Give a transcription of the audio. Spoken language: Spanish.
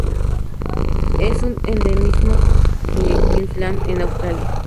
Es un endemismo de Queensland en Australia.